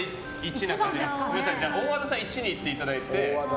大和田さん１に行っていただいて。